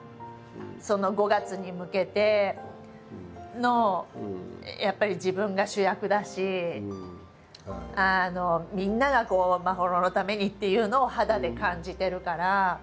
その５月に向けてのやっぱり自分が主役だしみんなが眞秀のためにっていうのを肌で感じてるから。